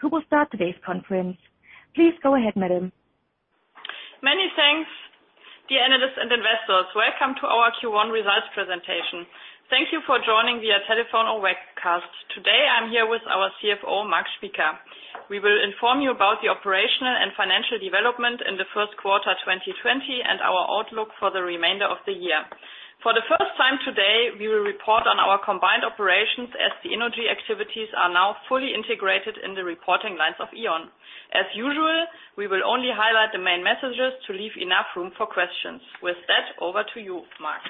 who will start today's conference. Please go ahead, madam. Many thanks. Dear analysts and investors, welcome to our Q1 results presentation. Thank you for joining via telephone or webcast. Today I'm here with our CFO, Marc Spieker. We will inform you about the operational and financial development in the first quarter 2020, and our outlook for the remainder of the year. For the first time today, we will report on our combined operations, as the Innogy activities are now fully integrated in the reporting lines of E.ON. As usual, we will only highlight the main messages to leave enough room for questions. With that, over to you, Marc.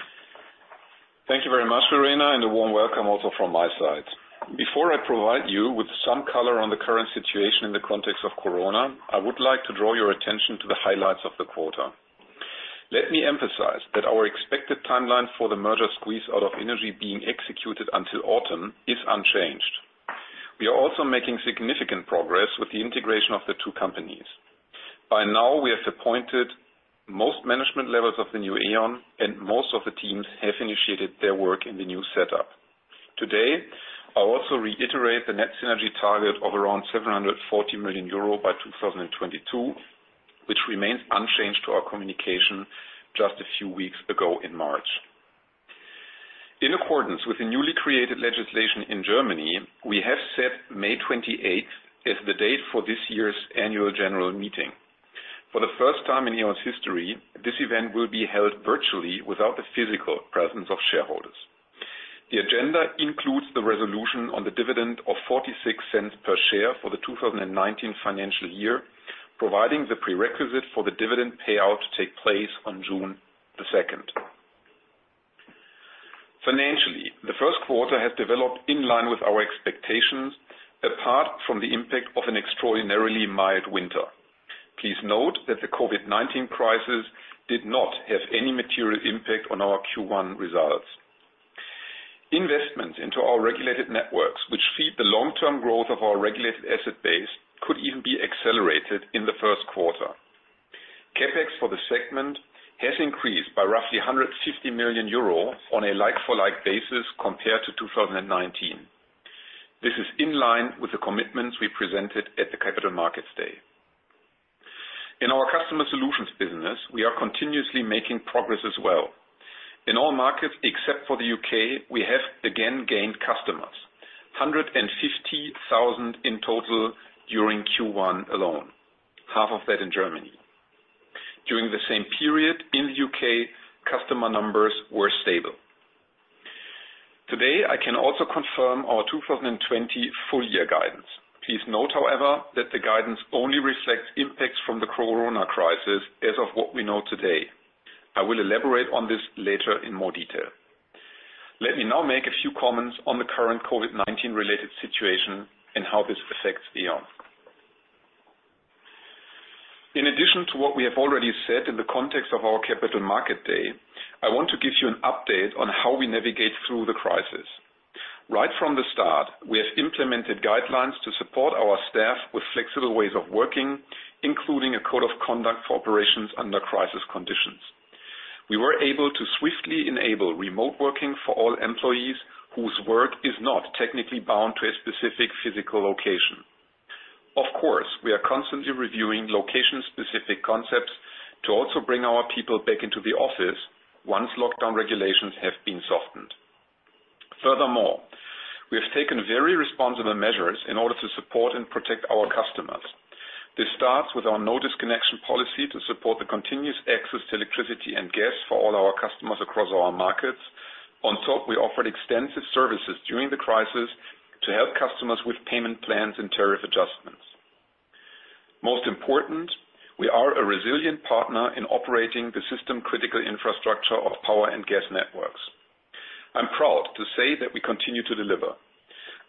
Thank you very much, Verena, and a warm welcome also from my side. Before I provide you with some color on the current situation in the context of corona, I would like to draw your attention to the highlights of the quarter. Let me emphasize that our expected timeline for the merger squeeze-out of Innogy being executed until autumn is unchanged. We are also making significant progress with the integration of the two companies. By now, we have appointed most management levels of the new E.ON, and most of the teams have initiated their work in the new setup. Today, I also reiterate the net synergy target of around 740 million euro by 2022, which remains unchanged to our communication just a few weeks ago in March. In accordance with the newly created legislation in Germany, we have set May 28th as the date for this year's annual general meeting. For the first time in E.ON's history, this event will be held virtually without the physical presence of shareholders. The agenda includes the resolution on the dividend of 0.46 per share for the 2019 financial year, providing the prerequisite for the dividend payout to take place on June the 2nd. Financially, the first quarter has developed in line with our expectations, apart from the impact of an extraordinarily mild winter. Please note that the COVID-19 crisis did not have any material impact on our Q1 results. Investments into our regulated networks, which feed the long-term growth of our regulated asset base, could even be accelerated in the first quarter. CapEx for the segment has increased by roughly 150 million euro on a like-for-like basis compared to 2019. This is in line with the commitments we presented at the Capital Markets Day. In our customer solutions business, we are continuously making progress as well. In all markets except for the UK, we have again gained customers, 150,000 in total during Q1 alone, half of that in Germany. During the same period in the UK, customer numbers were stable. Today, I can also confirm our 2020 full year guidance. Please note, however, that the guidance only reflects impacts from the corona crisis as of what we know today. I will elaborate on this later in more detail. Let me now make a few comments on the current COVID-19 related situation and how this affects E.ON. In addition to what we have already said in the context of our Capital Markets Day, I want to give you an update on how we navigate through the crisis. Right from the start, we have implemented guidelines to support our staff with flexible ways of working, including a code of conduct for operations under crisis conditions. We were able to swiftly enable remote working for all employees whose work is not technically bound to a specific physical location. We are constantly reviewing location-specific concepts to also bring our people back into the office once lockdown regulations have been softened. We have taken very responsible measures in order to support and protect our customers. This starts with our no disconnection policy to support the continuous access to electricity and gas for all our customers across all our markets. On top, we offered extensive services during the crisis to help customers with payment plans and tariff adjustments. Most important, we are a resilient partner in operating the system critical infrastructure of power and gas networks. I'm proud to say that we continue to deliver.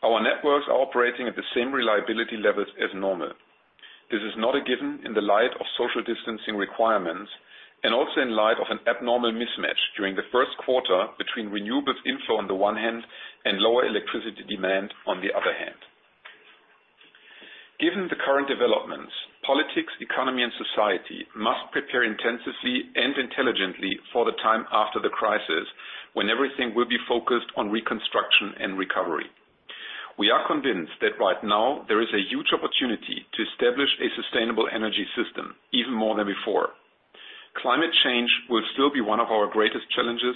Our networks are operating at the same reliability levels as normal. This is not a given in the light of social distancing requirements, and also in light of an abnormal mismatch during the first quarter between renewables inflow on the one hand, and lower electricity demand on the other hand. Given the current developments, politics, economy, and society must prepare intensively and intelligently for the time after the crisis, when everything will be focused on reconstruction and recovery. We are convinced that right now there is a huge opportunity to establish a sustainable energy system, even more than before. Climate change will still be one of our greatest challenges,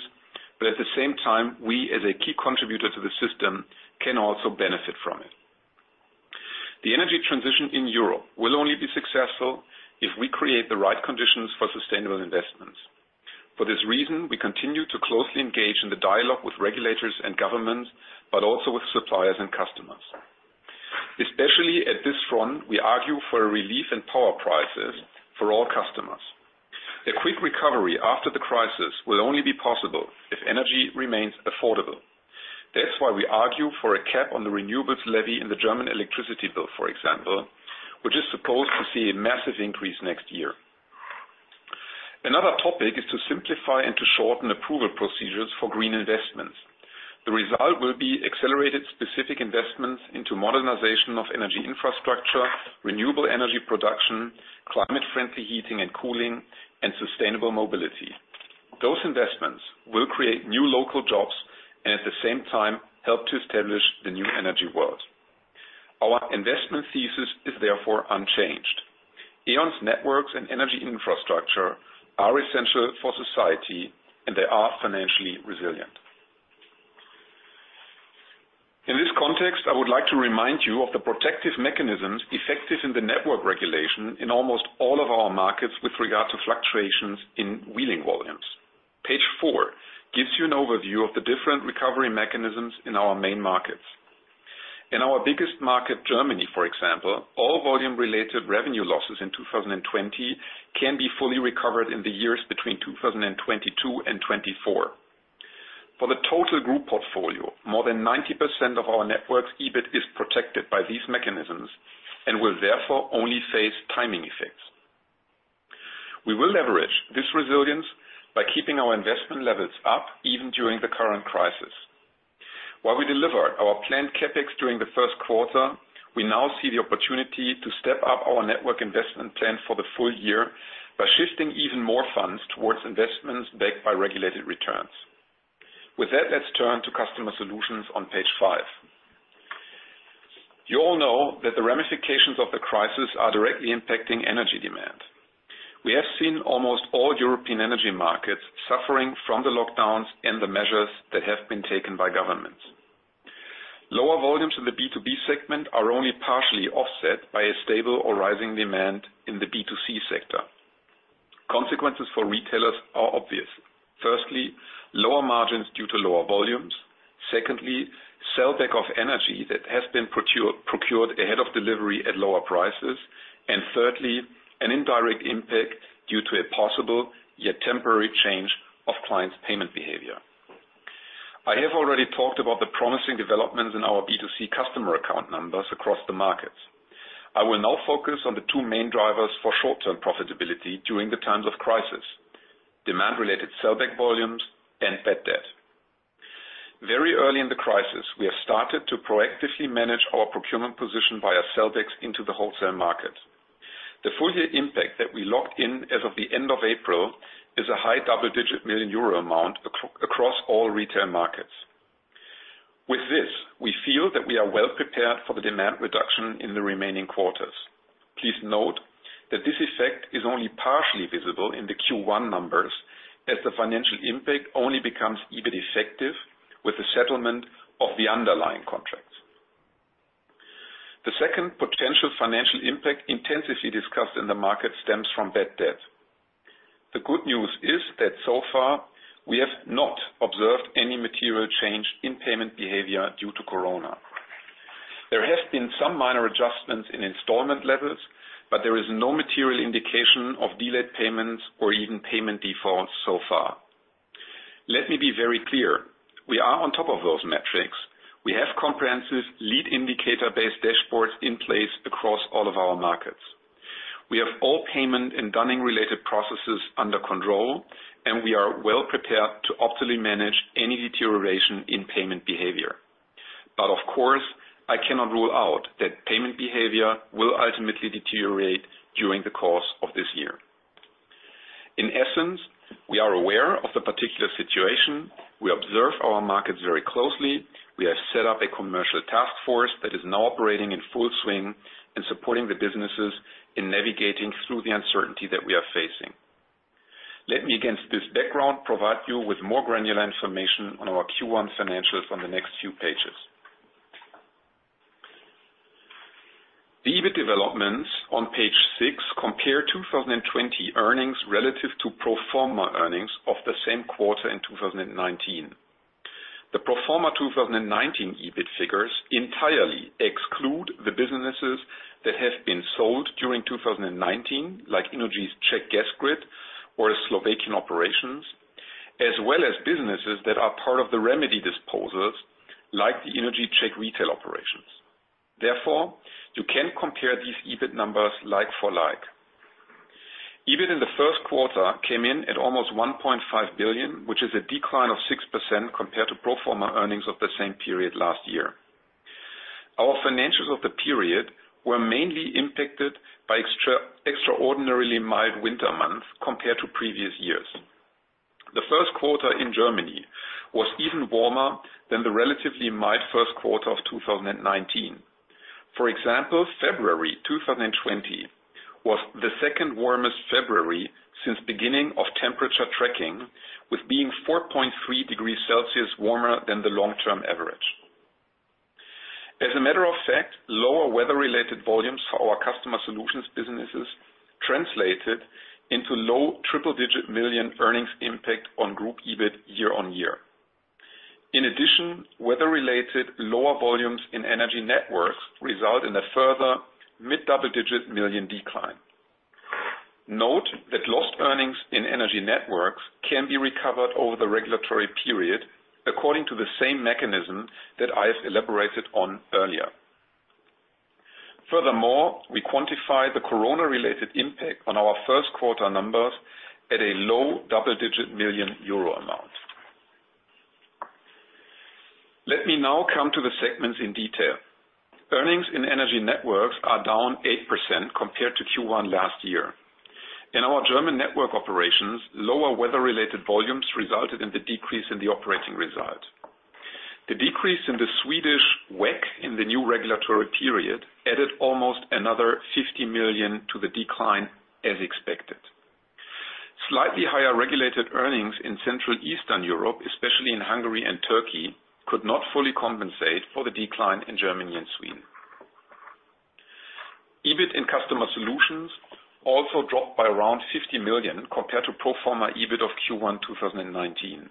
but at the same time, we, as a key contributor to the system, can also benefit from it. The energy transition in Europe will only be successful if we create the right conditions for sustainable investments. For this reason, we continue to closely engage in the dialogue with regulators and governments, but also with suppliers and customers. Especially at this front, we argue for a relief in power prices for all customers. A quick recovery after the crisis will only be possible if energy remains affordable. That's why we argue for a cap on the renewables levy in the German electricity bill, for example, which is supposed to see a massive increase next year. Another topic is to simplify and to shorten approval procedures for green investments. The result will be accelerated specific investments into modernization of energy infra-Renewable energy production, climate-friendly heating and cooling, and sustainable mobility. Those investments will create new local jobs and at the same time help to establish the new energy world. Our investment thesis is therefore unchanged. E.ON's networks and energy infrastructure are essential for society, and they are financially resilient. In this context, I would like to remind you of the protective mechanisms effective in the network regulation in almost all of our markets with regard to fluctuations in wheeling volumes. Page four gives you an overview of the different recovery mechanisms in our main markets. In our biggest market, Germany, for example, all volume-related revenue losses in 2020 can be fully recovered in the years between 2022 and 2024. For the total group portfolio, more than 90% of our network's EBIT is protected by these mechanisms, and will therefore only face timing effects. We will leverage this resilience by keeping our investment levels up, even during the current crisis. While we deliver our planned CapEx during the first quarter, we now see the opportunity to step up our network investment plan for the full year by shifting even more funds towards investments backed by regulated returns. With that, let's turn to customer solutions on page five. You all know that the ramifications of the crisis are directly impacting energy demand. We have seen almost all European energy markets suffering from the lockdowns and the measures that have been taken by governments. Lower volumes in the B2B segment are only partially offset by a stable or rising demand in the B2C sector. Consequences for retailers are obvious. Firstly, lower margins due to lower volumes. Secondly, sellback of energy that has been procured ahead of delivery at lower prices. Thirdly, an indirect impact due to a possible, yet temporary change of clients' payment behavior. I have already talked about the promising developments in our B2C customer account numbers across the markets. I will now focus on the two main drivers for short-term profitability during the times of crisis: demand-related sellback volumes and bad debt. Very early in the crisis, we have started to proactively manage our procurement position via sellbacks into the wholesale market. The full year impact that we locked in as of the end of April is a high double-digit million EUR amount across all retail markets. With this, we feel that we are well prepared for the demand reduction in the remaining quarters. Please note that this effect is only partially visible in the Q1 numbers, as the financial impact only becomes EBIT effective with the settlement of the underlying contracts. The second potential financial impact intensively discussed in the market stems from bad debt. The good news is that so far, we have not observed any material change in payment behavior due to COVID-19. There have been some minor adjustments in installment levels, there is no material indication of delayed payments or even payment defaults so far. Let me be very clear. We are on top of those metrics. We have comprehensive lead indicator-based dashboards in place across all of our markets. We have all payment and dunning-related processes under control, we are well prepared to optimally manage any deterioration in payment behavior. Of course, I cannot rule out that payment behavior will ultimately deteriorate during the course of this year. In essence, we are aware of the particular situation. We observe our markets very closely. We have set up a commercial task force that is now operating in full swing and supporting the businesses in navigating through the uncertainty that we are facing. Let me, against this background, provide you with more granular information on our Q1 financials on the next few pages. The EBIT developments on page six compare 2020 earnings relative to pro forma earnings of the same quarter in 2019. The pro forma 2019 EBIT figures entirely exclude the businesses that have been sold during 2019, like Innogy's Czech Gas Grid or Slovakian operations, as well as businesses that are part of the remedy disposals, like the Innogy Czech retail operations. Therefore, you can compare these EBIT numbers like for like. EBIT in the first quarter came in at almost 1.5 billion, which is a decline of 6% compared to pro forma earnings of the same period last year. Our financials of the period were mainly impacted by extraordinarily mild winter months compared to previous years. The first quarter in Germany was even warmer than the relatively mild first quarter of 2019. For example, February 2020 was the second warmest February since beginning of temperature tracking, with being 4.3 degrees Celsius warmer than the long-term average. As a matter of fact, lower weather-related volumes for our customer solutions businesses translated into low triple-digit million EUR earnings impact on group EBIT year on year. In addition, weather-related lower volumes in energy networks result in a further mid-double-digit million EUR decline. Note that lost earnings in energy networks can be recovered over the regulatory period, according to the same mechanism that I have elaborated on earlier. Furthermore, we quantify the corona-related impact on our first quarter numbers at a low double-digit million EUR amount. Let me now come to the segments in detail. Earnings in energy networks are down 8% compared to Q1 last year. In our German network operations, lower weather-related volumes resulted in the decrease in the operating result. The decrease in the Swedish WACC in the new regulatory period added almost another 50 million to the decline as expected. Slightly higher regulated earnings in Central Eastern Europe, especially in Hungary and Turkey, could not fully compensate for the decline in Germany and Sweden. EBIT in customer solutions also dropped by around 50 million compared to pro forma EBIT of Q1 2019.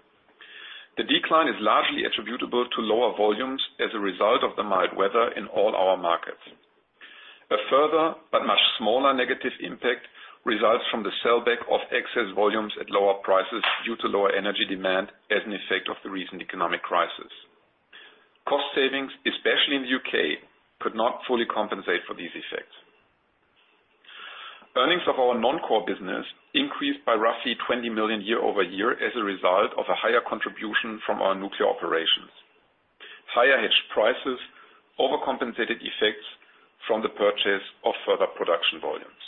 The decline is largely attributable to lower volumes as a result of the mild weather in all our markets. A further but much smaller negative impact results from the sellback of excess volumes at lower prices due to lower energy demand as an effect of the recent economic crisis. Cost savings, especially in the U.K., could not fully compensate for these effects. Earnings of our non-core business increased by roughly 20 million year-over-year as a result of a higher contribution from our nuclear operations. Higher hedged prices overcompensated effects from the purchase of further production volumes.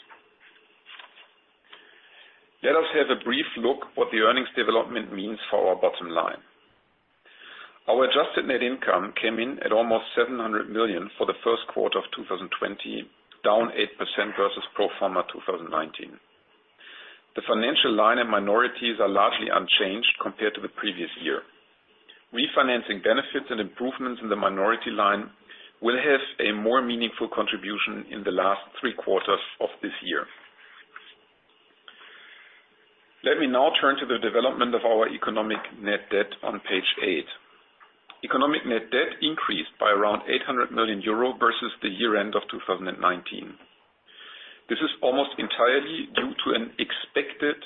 Let us have a brief look what the earnings development means for our bottom line. Our adjusted net income came in at almost 700 million for the first quarter of 2020, down 8% versus pro forma 2019. The financial line and minorities are largely unchanged compared to the previous year. Refinancing benefits and improvements in the minority line will have a more meaningful contribution in the last three quarters of this year. Let me now turn to the development of our economic net debt on page eight. Economic net debt increased by around 800 million euro versus the year-end of 2019. This is almost entirely due to an expected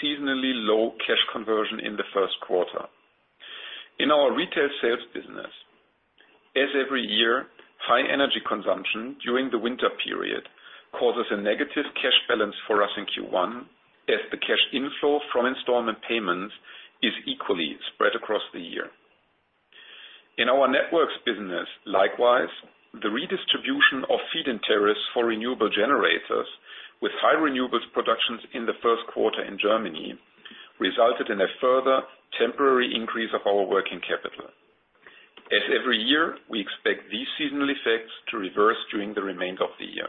seasonally low cash conversion in the first quarter. In our retail sales business, as every year, high energy consumption during the winter period causes a negative cash balance for us in Q1, as the cash inflow from installment payments is equally spread across the year. In our networks business, likewise, the redistribution of feed-in tariffs for renewable generators with high renewables productions in the first quarter in Germany resulted in a further temporary increase of our working capital. As every year, we expect these seasonal effects to reverse during the remainder of the year.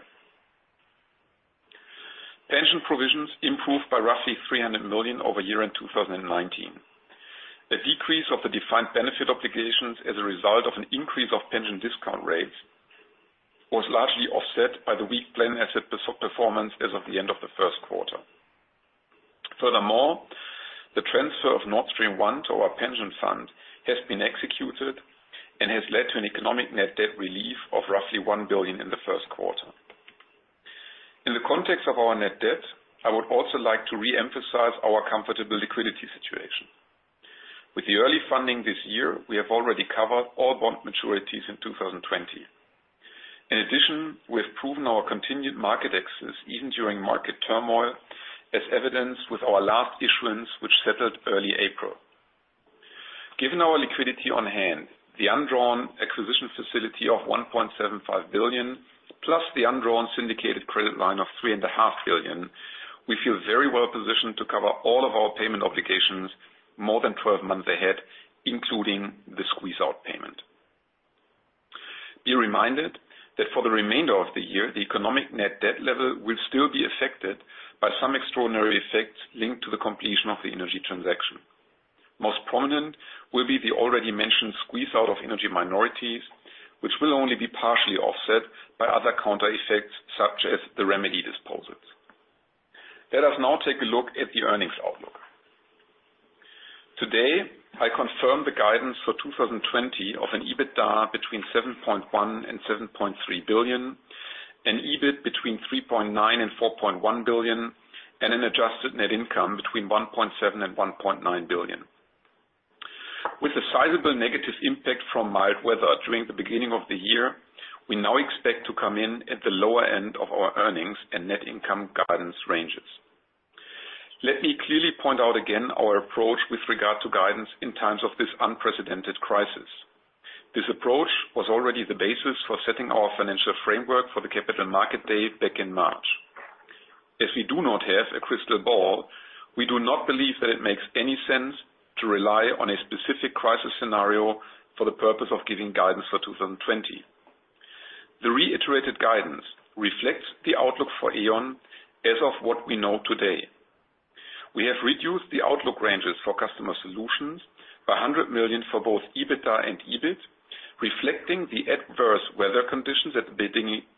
Pension provisions improved by roughly 300 million over year-end 2019. A decrease of the defined benefit obligations as a result of an increase of pension discount rates was largely offset by the weak plan asset performance as of the end of the first quarter. Furthermore, the transfer of Nord Stream 1 to our pension fund has been executed and has led to an economic net debt relief of roughly 1 billion in the first quarter. In the context of our net debt, I would also like to reemphasize our comfortable liquidity situation. With the early funding this year, we have already covered all bond maturities in 2020. In addition, we have proven our continued market access even during market turmoil, as evidenced with our last issuance, which settled early April. Given our liquidity on hand, the undrawn acquisition facility of 1.75 billion, plus the undrawn syndicated credit line of 3.5 billion, we feel very well positioned to cover all of our payment obligations more than 12 months ahead, including the squeeze-out payment. Be reminded that for the remainder of the year, the economic net debt level will still be affected by some extraordinary effects linked to the completion of the Innogy transaction. Most prominent will be the already mentioned squeeze-out of Innogy minorities, which will only be partially offset by other counter effects, such as the remedy disposals. Let us now take a look at the earnings outlook. Today, I confirm the guidance for 2020 of an EBITDA between 7.1 billion-7.3 billion, an EBIT between 3.9 billion-4.1 billion, and an adjusted net income between 1.7 billion-1.9 billion. With a sizable negative impact from mild weather during the beginning of the year, we now expect to come in at the lower end of our earnings and net income guidance ranges. Let me clearly point out again our approach with regard to guidance in times of this unprecedented crisis. This approach was already the basis for setting our financial framework for the Capital Markets Day back in March. As we do not have a crystal ball, we do not believe that it makes any sense to rely on a specific crisis scenario for the purpose of giving guidance for 2020. The reiterated guidance reflects the outlook for E.ON as of what we know today. We have reduced the outlook ranges for customer solutions by 100 million for both EBITDA and EBIT, reflecting the adverse weather conditions at the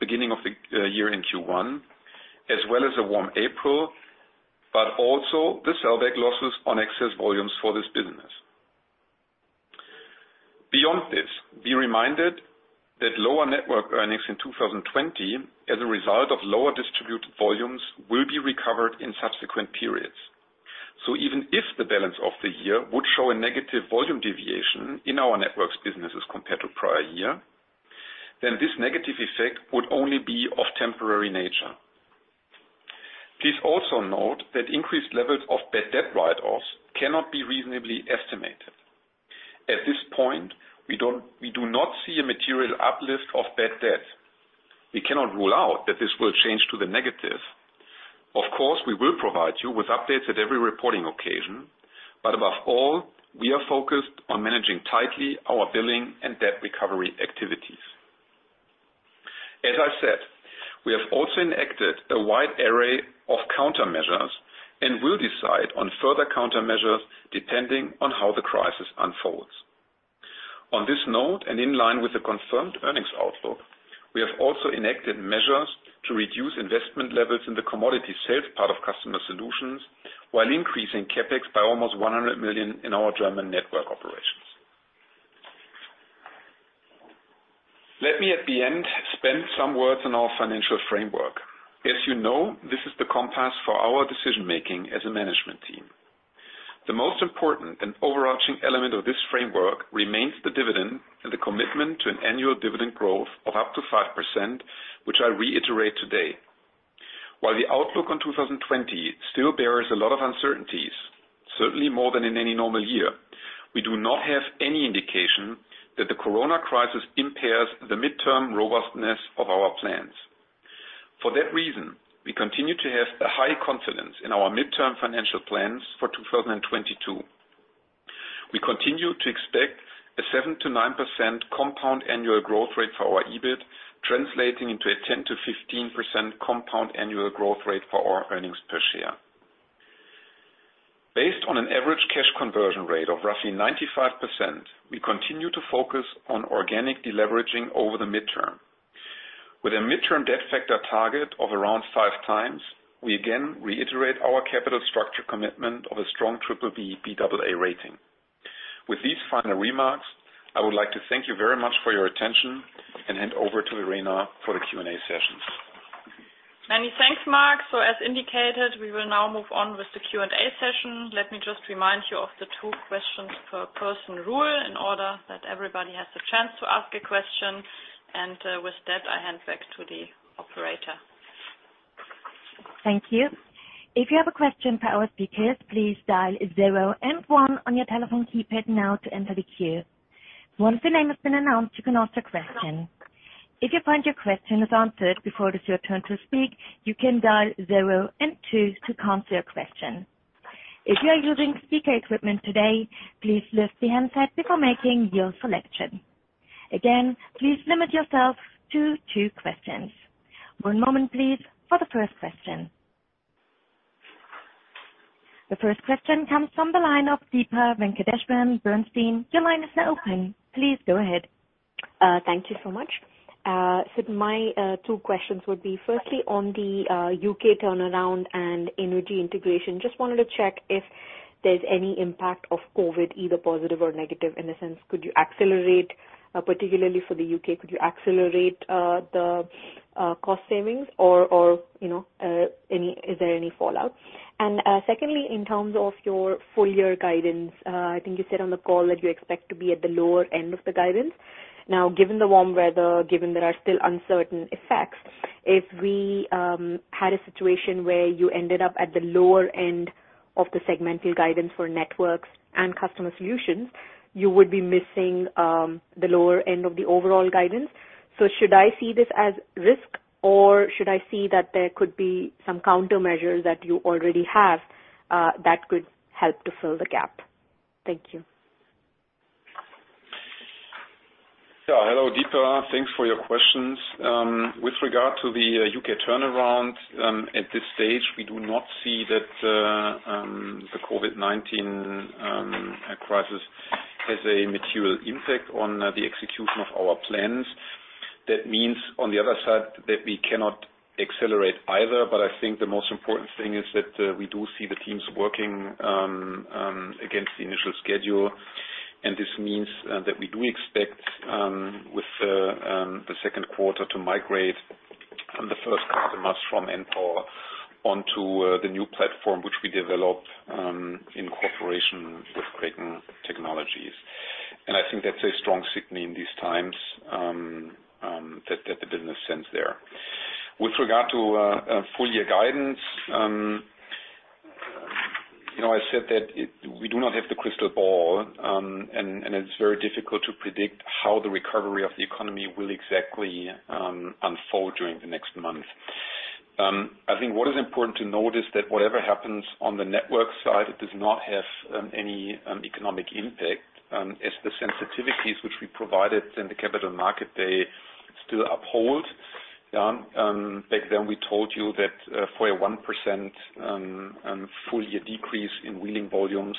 beginning of the year in Q1, as well as a warm April, but also the sellback losses on excess volumes for this business. Beyond this, be reminded that lower network earnings in 2020 as a result of lower distributed volumes will be recovered in subsequent periods. Even if the balance of the year would show a negative volume deviation in our networks businesses compared to prior year, then this negative effect would only be of temporary nature. Please also note that increased levels of bad debt write-offs cannot be reasonably estimated. At this point, we do not see a material uplift of bad debt. We cannot rule out that this will change to the negative. Of course, we will provide you with updates at every reporting occasion, but above all, we are focused on managing tightly our billing and debt recovery activities. As I've said, we have also enacted a wide array of countermeasures and will decide on further countermeasures depending on how the crisis unfolds. On this note, and in line with the confirmed earnings outlook, we have also enacted measures to reduce investment levels in the commodity sales part of customer solutions, while increasing CapEx by almost 100 million in our German network operations. Let me, at the end, spend some words on our financial framework. As you know, this is the compass for our decision-making as a management team. The most important and overarching element of this framework remains the dividend and the commitment to an annual dividend growth of up to 5%, which I reiterate today. While the outlook on 2020 still bears a lot of uncertainties, certainly more than in any normal year, we do not have any indication that the Corona crisis impairs the midterm robustness of our plans. For that reason, we continue to have a high confidence in our midterm financial plans for 2022. We continue to expect a 7%-9% compound annual growth rate for our EBIT, translating into a 10%-15% compound annual growth rate for our earnings per share. Based on an average cash conversion rate of roughly 95%, we continue to focus on organic deleveraging over the midterm. With a midterm debt factor target of around five times, we again reiterate our capital structure commitment of a strong triple B, Baa rating. With these final remarks, I would like to thank you very much for your attention and hand over to Verena for the Q&A session. Many thanks, Marc. As indicated, we will now move on with the Q&A session. Let me just remind you of the two questions per person rule in order that everybody has a chance to ask a question. With that, I hand back to the operator. Thank you. If you have a question for our speakers, please dial zero and one on your telephone keypad now to enter the queue. Once the name has been announced, you can ask a question. If you find your question is answered before it is your turn to speak, you can dial zero and two to cancel your question. If you are using speaker equipment today, please lift the handset before making your selection. Again, please limit yourself to two questions. One moment please for the first question. The first question comes from the line of Deepa Venkateswaran, Bernstein. Your line is now open. Please go ahead. Thank you so much. My two questions would be firstly on the U.K. turnaround and Innogy integration. Just wanted to check if there's any impact of COVID, either positive or negative, in the sense, could you accelerate, particularly for the U.K., could you accelerate the cost savings or is there any fallout? Secondly, in terms of your full-year guidance, I think you said on the call that you expect to be at the lower end of the guidance. Now, given the warm weather, given there are still uncertain effects, if we had a situation where you ended up at the lower end of the segmental guidance for networks and customer solutions, you would be missing the lower end of the overall guidance. Should I see this as risk or should I see that there could be some countermeasures that you already have, that could help to fill the gap? Thank you. Yeah. Hello, Deepa. Thanks for your questions. With regard to the U.K. turnaround, at this stage, we do not see that the COVID-19 crisis has a material impact on the execution of our plans. That means, on the other side, that we cannot accelerate either. I think the most important thing is that we do see the teams working against the initial schedule. This means that we do expect, with the second quarter, to migrate from the first half of the month from Npower onto the new platform which we developed in cooperation with Kraken Technologies. I think that's a strong signal in these times, that the business sense there. With regard to full year guidance, I said that we do not have the crystal ball, and it's very difficult to predict how the recovery of the economy will exactly unfold during the next month. I think what is important to note is that whatever happens on the network side does not have any economic impact, as the sensitivities which we provided in the capital market, they still uphold. Back then, we told you that for a 1% full year decrease in wheeling volumes,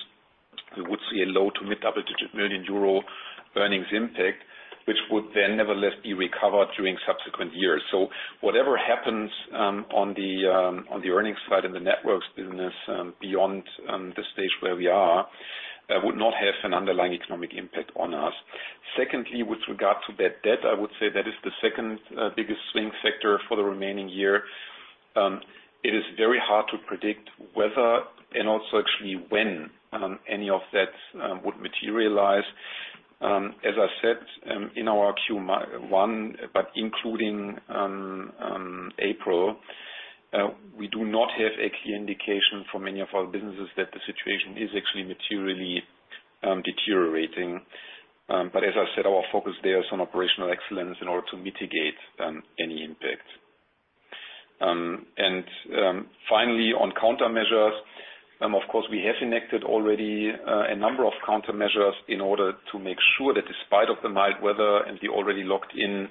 we would see a low to mid-double-digit million EUR earnings impact, which would then nevertheless be recovered during subsequent years. Whatever happens on the earnings side in the networks business, beyond the stage where we are, would not have an underlying economic impact on us. Secondly, with regard to bad debt, I would say that is the second biggest swing factor for the remaining year. It is very hard to predict whether and also actually when any of that would materialize. As I said in our Q1, but including April, we do not have a clear indication for many of our businesses that the situation is actually materially deteriorating. As I said, our focus there is on operational excellence in order to mitigate any impact. Finally, on countermeasures, of course, we have enacted already a number of countermeasures in order to make sure that in spite of the mild weather and the already locked-in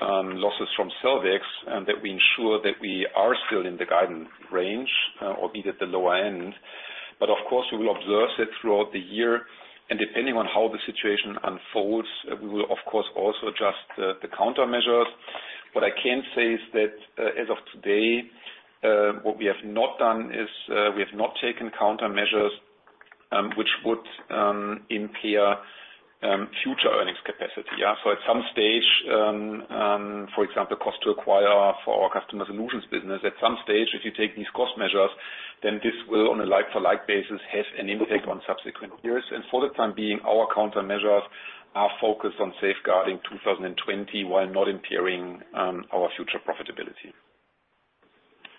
losses from sellbacks, that we ensure that we are still in the guidance range or be at the lower end. Of course, we will observe that throughout the year, and depending on how the situation unfolds, we will of course also adjust the countermeasures. What I can say is that as of today, what we have not done is we have not taken countermeasures which would impair future earnings capacity. At some stage, for example, cost to acquire for our customer solutions business, at some stage, if you take these cost measures, then this will, on a like-for-like basis, have an impact on subsequent years. For the time being, our countermeasures are focused on safeguarding 2020 while not impairing our future profitability.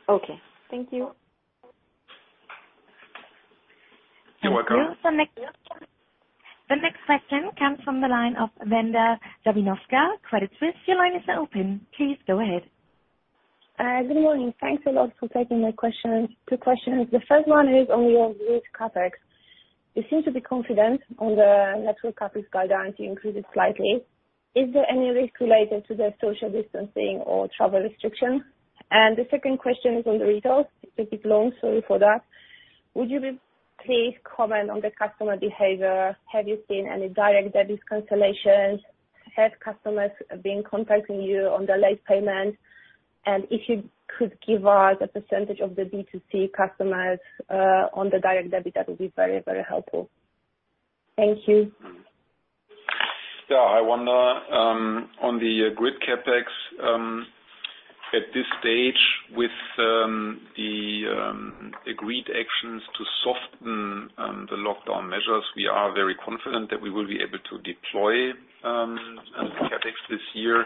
Okay. Thank you. You're welcome. Thank you. The next question comes from the line of Wanda Serwinowska, Credit Suisse. Your line is open. Please go ahead. Good morning. Thanks a lot for taking my two questions. The first one is on your grid CapEx. You seem to be confident on the network CapEx guidance you increased slightly. Is there any risk related to the social distancing or travel restrictions? The second question is on the results. It is long, sorry for that. Would you please comment on the customer behavior? Have you seen any direct debit cancellations? Have customers been contacting you on the late payments? If you could give us a % of the B2C customers on the direct debit, that would be very helpful. Thank you. Yeah. On the grid CapEx, at this stage, with the agreed actions to soften the lockdown measures, we are very confident that we will be able to deploy CapEx this year.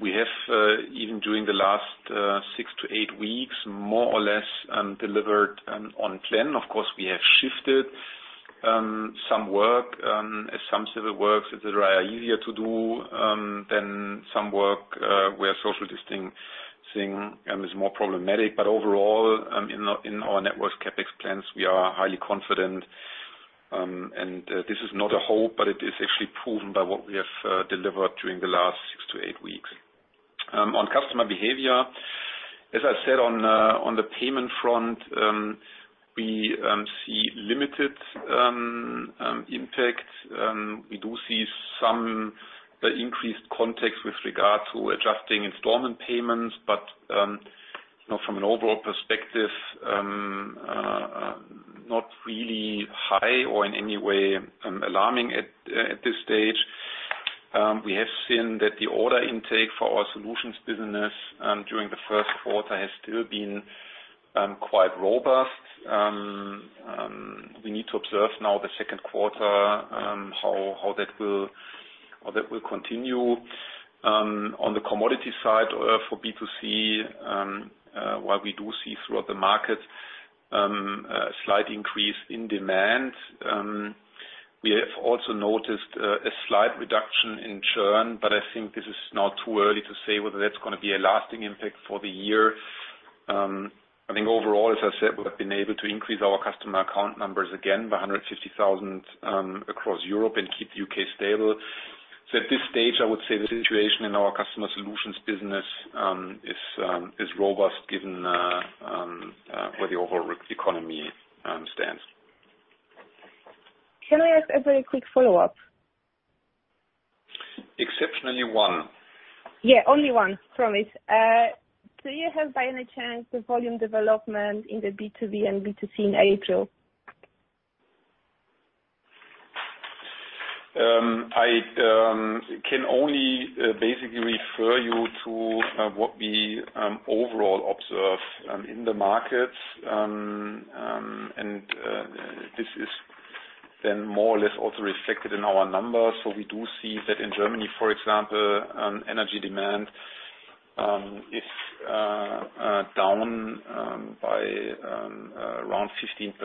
We have, even during the last six to eight weeks, more or less delivered on plan. Of course, we have shifted some work, as some civil works, et cetera, are easier to do than some work where social distancing is more problematic. Overall, in our networks CapEx plans, we are highly confident. This is not a hope, but it is actually proven by what we have delivered during the last six to eight weeks. On customer behavior, as I said on the payment front, we see limited impact. We do see some increased contacts with regard to adjusting installment payments. From an overall perspective, not really high or in any way alarming at this stage. We have seen that the order intake for our solutions business during the first quarter has still been quite robust. We need to observe now the second quarter, how that will continue. On the commodity side for B2C, while we do see throughout the market a slight increase in demand, we have also noticed a slight reduction in churn, but I think this is now too early to say whether that's going to be a lasting impact for the year. I think overall, as I said, we have been able to increase our customer account numbers again by 150,000 across Europe and keep the U.K. stable. At this stage, I would say the situation in our customer solutions business is robust given where the overall economy stands. Can I ask a very quick follow-up? Exceptionally one. Yeah, only one. Promise. Do you have, by any chance, the volume development in the B2B and B2C in April? I can only basically refer you to what we overall observe in the markets. This is more or less also reflected in our numbers. We do see that in Germany, for example, energy demand is down by around 15%.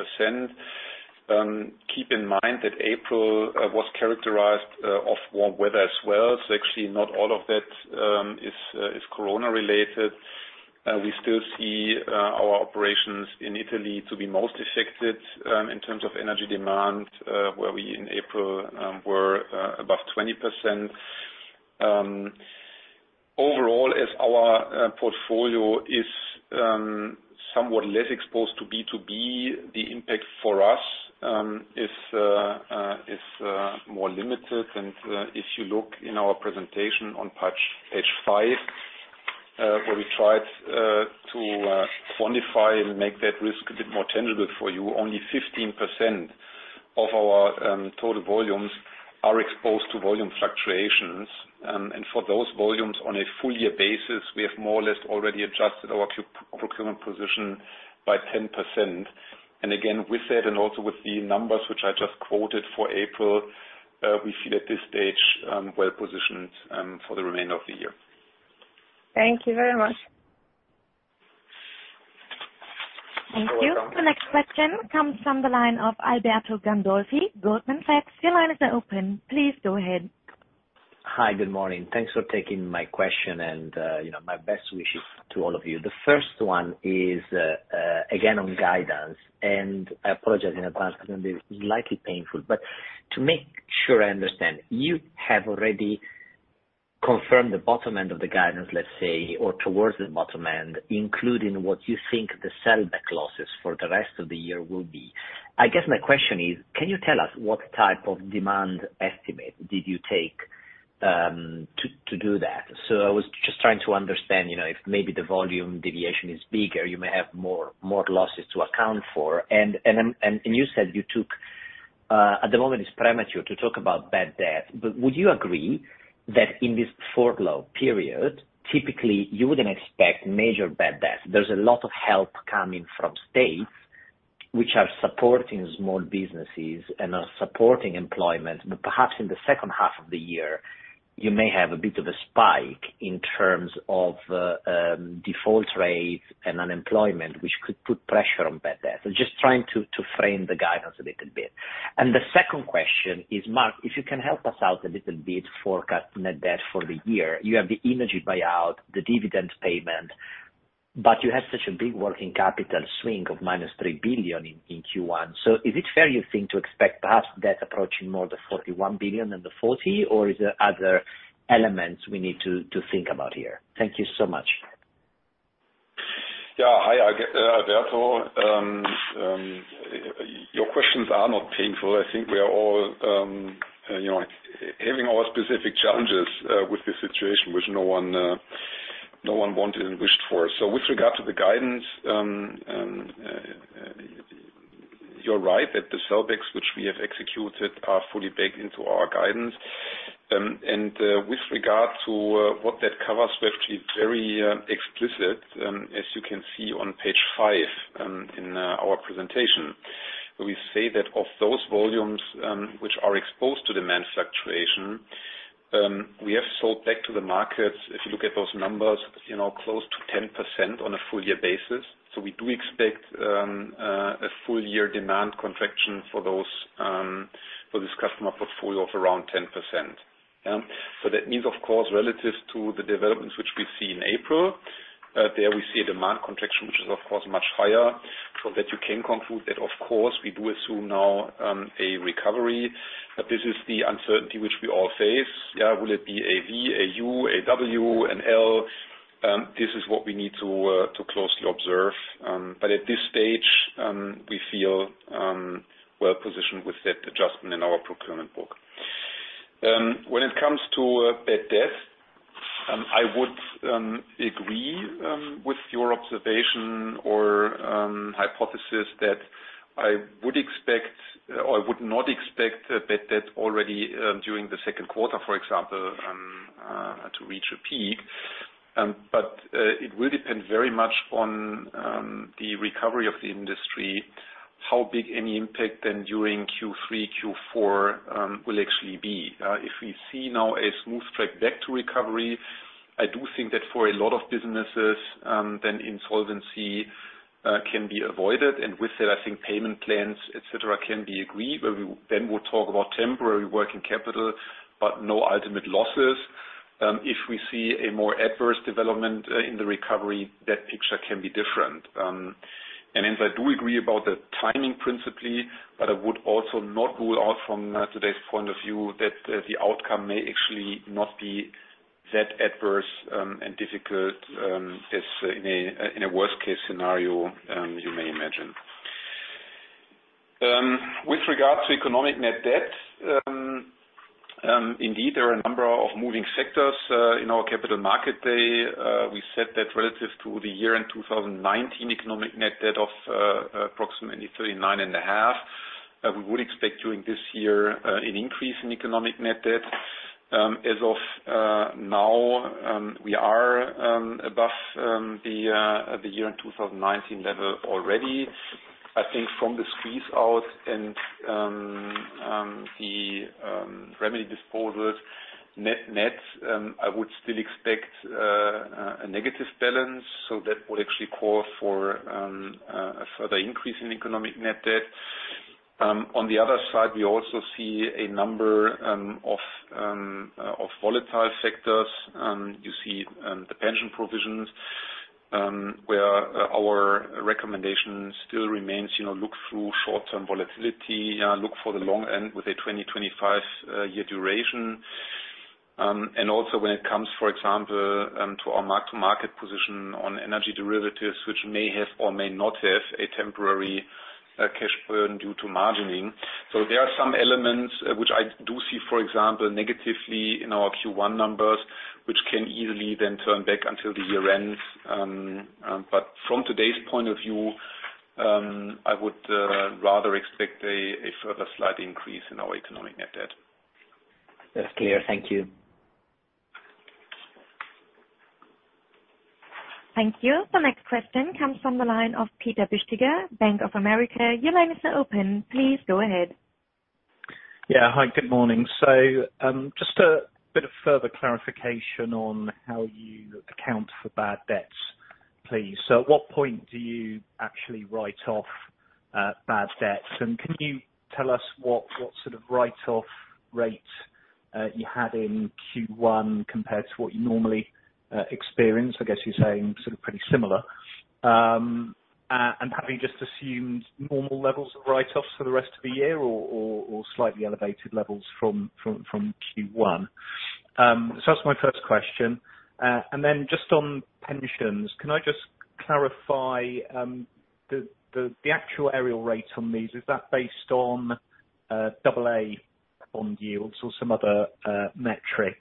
Keep in mind that April was characterized of warm weather as well. Actually, not all of that is Corona related. We still see our operations in Italy to be most affected in terms of energy demand, where we in April were above 20%. Overall, as our portfolio is somewhat less exposed to B2B, the impact for us is more limited. If you look in our presentation on page five, where we tried to quantify and make that risk a bit more tangible for you, only 15% of our total volumes are exposed to volume fluctuations. For those volumes, on a full year basis, we have more or less already adjusted our procurement position by 10%. Again, with that and also with the numbers which I just quoted for April, we feel at this stage well-positioned for the remainder of the year. Thank you very much. Thank you. You're welcome. The next question comes from the line of Alberto Gandolfi, Goldman Sachs. Your line is now open. Please go ahead. Hi. Good morning. Thanks for taking my question and my best wishes to all of you. The first one is again on guidance, and I apologize in advance because I'm likely painful, but to make sure I understand, you have already confirmed the bottom end of the guidance, let's say, or towards the bottom end, including what you think the sellback losses for the rest of the year will be. I guess my question is, can you tell us what type of demand estimate did you take to do that? I was just trying to understand, if maybe the volume deviation is bigger, you may have more losses to account for. You said at the moment it's premature to talk about bad debt, but would you agree that in this furlough period, typically you wouldn't expect major bad debt? There's a lot of help coming from states which are supporting small businesses and are supporting employment. Perhaps in the second half of the year, you may have a bit of a spike in terms of default rates and unemployment, which could put pressure on bad debt. Just trying to frame the guidance a little bit. The second question is, Marc, if you can help us out a little bit forecasting net debt for the year. You have the Innogy buyout, the dividend payment, but you have such a big working capital swing of minus 3 billion in Q1. Is it fair, you think, to expect perhaps debt approaching more the 41 billion than the 40? Or is there other elements we need to think about here? Thank you so much. Hi, Alberto. Your questions are not painful. I think we are all having our specific challenges with this situation, which no one wanted and wished for. With regard to the guidance, you're right that the sellbacks which we have executed are fully baked into our guidance. With regard to what that covers, we're actually very explicit, as you can see on page five in our presentation. We say that of those volumes which are exposed to demand fluctuation we have sold back to the markets, if you look at those numbers, close to 10% on a full year basis. We do expect a full year demand contraction for this customer portfolio of around 10%. That means, of course, relative to the developments which we see in April, there we see a demand contraction, which is of course much higher. That you can conclude that, of course, we do assume now a recovery, but this is the uncertainty which we all face. Will it be a V, a U, a W, an L? This is what we need to closely observe. At this stage, we feel we're positioned with that adjustment in our procurement book. When it comes to bad debt, I would agree with your observation or hypothesis that I would not expect bad debt already during the second quarter, for example, to reach a peak. It will depend very much on the recovery of the industry, how big any impact then during Q3, Q4 will actually be. If we see now a smooth track back to recovery, I do think that for a lot of businesses, then insolvency can be avoided, and with it, I think payment plans, et cetera, can be agreed, where we then will talk about temporary working capital, but no ultimate losses. If we see a more adverse development in the recovery, that picture can be different. Hence I do agree about the timing principally, but I would also not rule out from today's point of view that the outcome may actually not be that adverse and difficult as in a worst-case scenario you may imagine. With regard to economic net debt, indeed there are a number of moving sectors in our capital market. We said that relative to the year-end 2019 economic net debt of approximately 39.5, we would expect during this year an increase in economic net debt. As of now, we are above the year-end 2019 level already. I think from the squeeze-out and the remedy disposals net-net, I would still expect a negative balance, so that would actually call for a further increase in economic net debt. On the other side, we also see a number of volatile sectors. You see the pension provisions, where our recommendation still remains look through short-term volatility, look for the long end with a 2025 year duration. Also when it comes, for example, to our mark-to-market position on energy derivatives, which may have or may not have a temporary cash burn due to margining. There are some elements which I do see, for example, negatively in our Q1 numbers, which can easily then turn back until the year ends. From today's point of view, I would rather expect a further slight increase in our economic net debt. That's clear. Thank you. Thank you. The next question comes from the line of Peter Bisztyga, Bank of America. Your line is now open. Please go ahead. Yeah. Hi, good morning. Just a bit of further clarification on how you account for bad debts, please. At what point do you actually write off bad debts? Can you tell us what sort of write-off rate you had in Q1 compared to what you normally experience? I guess you're saying sort of pretty similar. Have you just assumed normal levels of write-offs for the rest of the year or slightly elevated levels from Q1? That's my first question. Then just on pensions, can I just clarify the actuarial rate on these? Is that based on double-A bond yields or some other metric?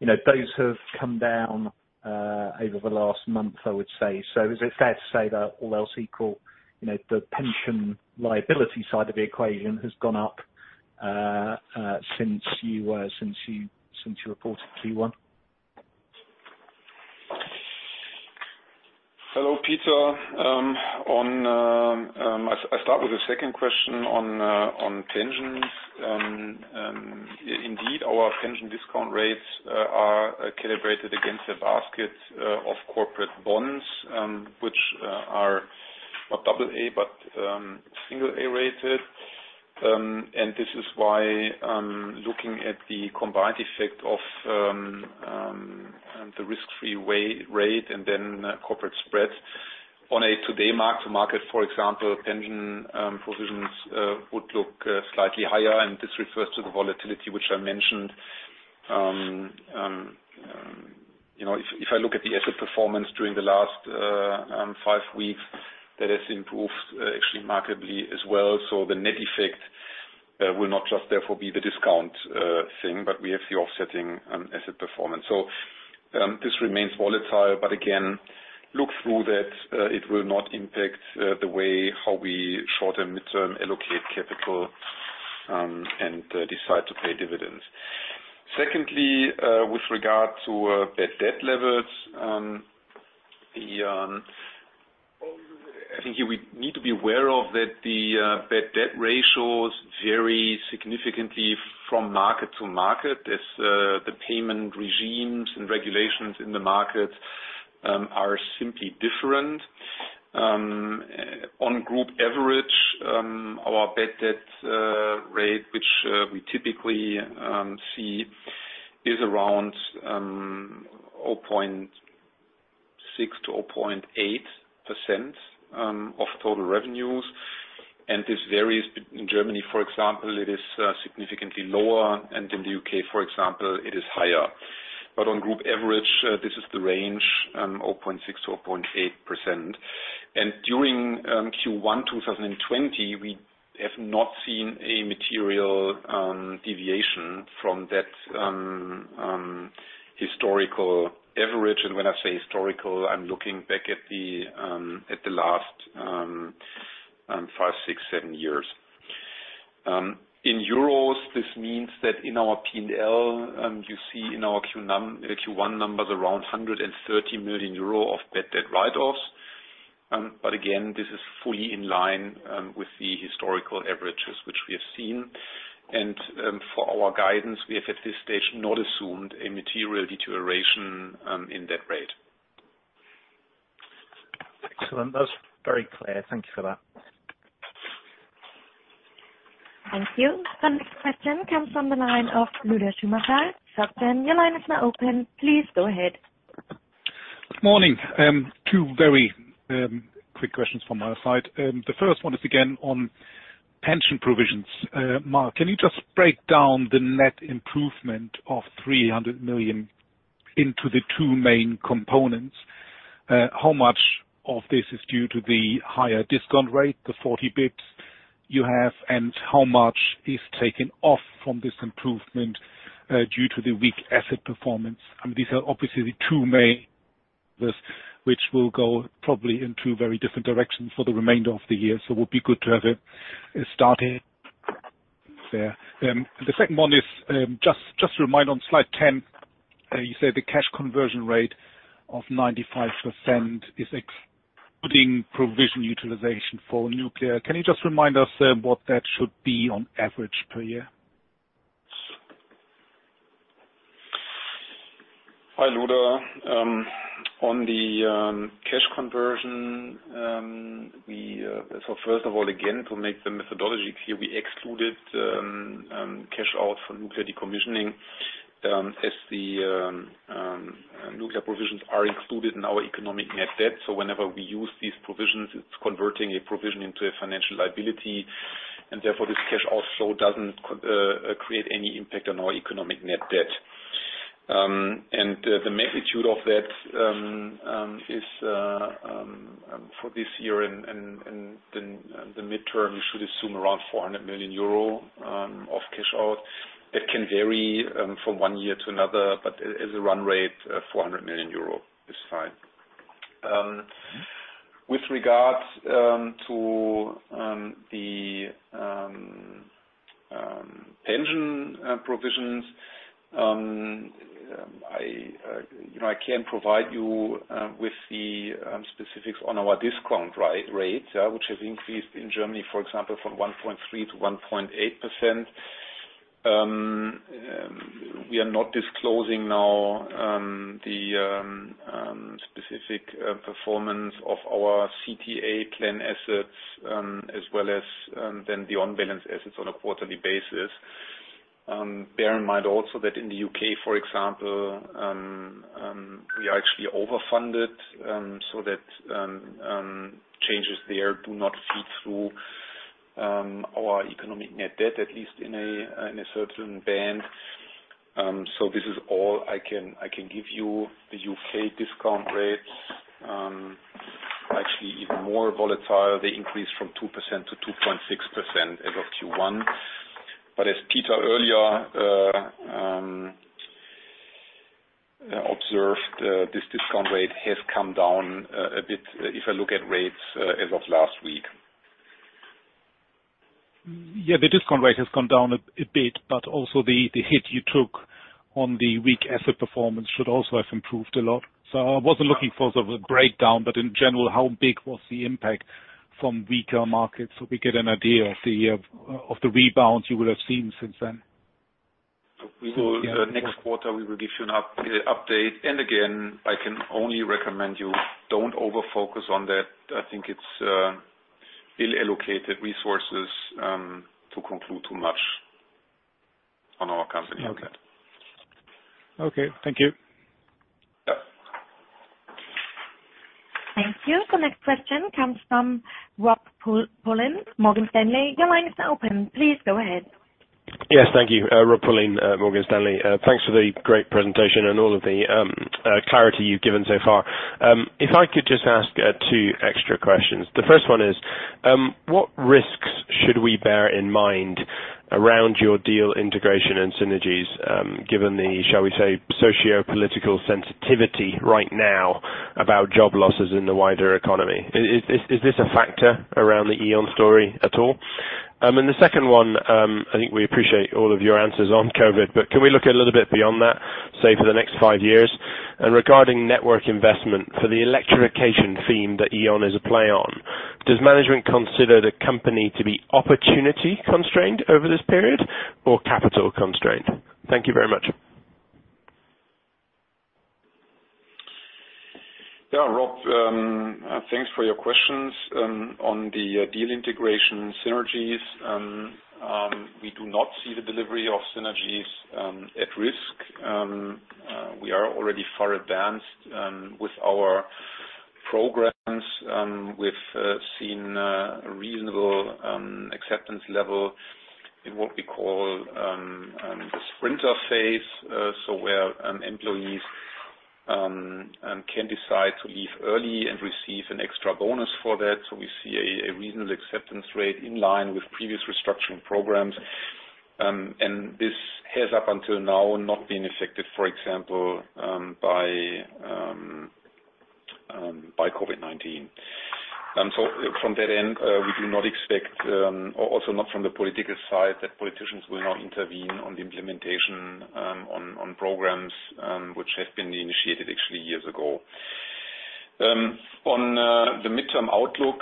Those have come down over the last month, I would say. Is it fair to say that all else equal, the pension liability side of the equation has gone up since you reported Q1? Hello, Peter. I start with the second question on pensions. Indeed, our pension discount rates are calibrated against a basket of corporate bonds, which are not double A, but single A-rated. This is why I'm looking at the combined effect of the risk-free rate and then corporate spreads on a today mark-to-market, for example, pension provisions would look slightly higher, and this refers to the volatility which I mentioned. If I look at the asset performance during the last five weeks, that has improved actually markedly as well. The net effect will not just therefore be the discount thing, but we have the offsetting asset performance. This remains volatile, again, look through that it will not impact the way how we short and midterm allocate capital and decide to pay dividends. Secondly, with regard to bad debt levels, I think here we need to be aware of that the bad debt ratios vary significantly from market to market as the payment regimes and regulations in the market are simply different. On group average, our bad debt rate, which we typically see, is around 0.6%-0.8% of total revenues. This varies. In Germany, for example, it is significantly lower. In the U.K., for example, it is higher. On group average, this is the range, 0.6%-0.8%. During Q1 2020, we have not seen a material deviation from that historical average. When I say historical, I'm looking back at the last five, six, seven years. In euros, this means that in our P&L, you see in our Q1 numbers around 130 million euro of bad debt write-offs. Again, this is fully in line with the historical averages which we have seen. For our guidance, we have at this stage not assumed a material deterioration in that rate. Excellent. That's very clear. Thank you for that. Thank you. The next question comes from the line of Lueder Schumacher. Dr., your line is now open. Please go ahead. Good morning. Two very quick questions from my side. The first one is again on pension provisions. Marc, can you just break down the net improvement of 300 million into the two main components? How much of this is due to the higher discount rate, the 40 basis points you have, and how much is taken off from this improvement due to the weak asset performance? These are obviously the two main risks which will go probably in two very different directions for the remainder of the year. It would be good to have it started there. The second one is, just a reminder on slide 10, you said the cash conversion rate of 95% is excluding provision utilization for nuclear. Can you just remind us what that should be on average per year? Hi, Lueder. On the cash conversion, first of all, again, to make the methodology clear, we excluded cash out for nuclear decommissioning as the nuclear provisions are excluded in our economic net debt. Whenever we use these provisions, it's converting a provision into a financial liability, and therefore this cash also doesn't create any impact on our economic net debt. The magnitude of that is for this year and the midterm, you should assume around 400 million euro of cash out. That can vary from one year to another, but as a run rate, 400 million euro is fine. With regards to the pension provisions, I can provide you with the specifics on our discount rates, which have increased in Germany, for example, from 1.3% to 1.8%. We are not disclosing now the specific performance of our CTA plan assets as well as the on-balance assets on a quarterly basis. Bear in mind also that in the U.K., for example, we are actually overfunded, that changes there do not feed through our economic net debt, at least in a certain band. This is all I can give you. The U.K. discount rates are actually even more volatile. They increased from 2% to 2.6% as of Q1. As Peter earlier observed, this discount rate has come down a bit if I look at rates as of last week. Yeah. The discount rate has come down a bit, but also the hit you took on the weak asset performance should also have improved a lot. I wasn't looking for the breakdown, but in general, how big was the impact from weaker markets, so we get an idea of the rebounds you would have seen since then? Next quarter, we will give you an update. Again, I can only recommend you don't over-focus on that. I think it's ill-allocated resources to conclude too much on our company. Okay. Thank you. Yeah. Thank you. The next question comes from Robert Pulleyn, Morgan Stanley. Your line is now open. Please go ahead. Yes, thank you. Robert Pulleyn, Morgan Stanley. Thanks for the great presentation and all of the clarity you've given so far. If I could just ask two extra questions. The first one is, what risks should we bear in mind around your deal integration and synergies, given the, shall we say, sociopolitical sensitivity right now about job losses in the wider economy? Is this a factor around the E.ON story at all? The second one, I think we appreciate all of your answers on COVID, but can we look a little bit beyond that, say, for the next five years? Regarding network investment for the electrification theme that E.ON is a play on, does management consider the company to be opportunity-constrained over this period or capital-constrained? Thank you very much. Yeah, Rob, thanks for your questions. On the deal integration synergies, we do not see the delivery of synergies at risk. We are already far advanced with our programs. We've seen a reasonable acceptance level in what we call the sprinter phase, so where employees can decide to leave early and receive an extra bonus for that. We see a reasonable acceptance rate in line with previous restructuring programs. This has, up until now, not been affected, for example, by COVID-19. From that end, we do not expect, also not from the political side, that politicians will now intervene on the implementation on programs which have been initiated actually years ago. On the midterm outlook,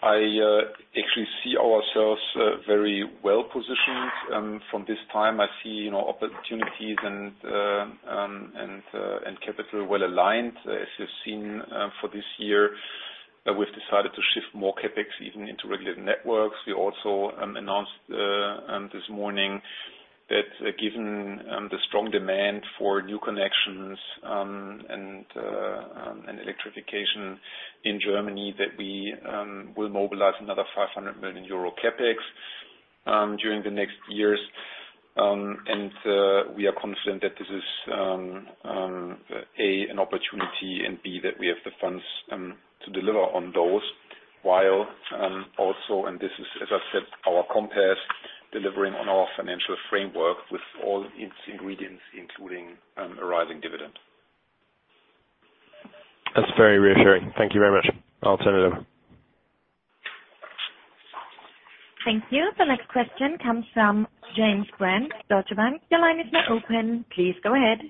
I actually see ourselves very well-positioned from this time. I see opportunities and capital well-aligned. As you've seen for this year, we've decided to shift more CapEx even into regular networks. We also announced this morning that given the strong demand for new connections and electrification in Germany, that we will mobilize another 500 million euro CapEx during the next years. We are confident that this is, A, an opportunity, and B, that we have the funds to deliver on those while also, and this is, as I said, our compass, delivering on our financial framework with all its ingredients, including a rising dividend. That's very reassuring. Thank you very much. I'll turn it over. Thank you. The next question comes from James Brand, Deutsche Bank. Your line is now open. Please go ahead.